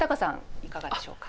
いかがでしょうか？